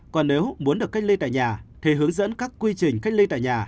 còn nếu muốn được cách ly tại nhà thì hướng dẫn các quy trình cách ly tại nhà